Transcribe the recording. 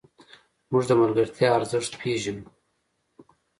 موږ د ملګرتیا ارزښت پېژنو.